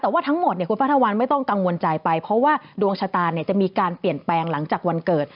แต่ว่าทั้งหมดคุณป้าทวันไม่ต้องกังวลใจไปเพราะว่าดวงชะตาจะมีการเปลี่ยนแปลงหลังจากวันเกิด